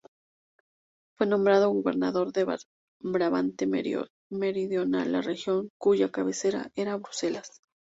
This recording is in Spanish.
Fue nombrado gobernador de Brabante Meridional, la región cuya cabecera era Bruselas.